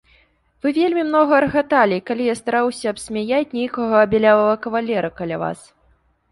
Вы вельмі многа рагаталі, калі я стараўся абсмяяць нейкага бялявага кавалера каля вас.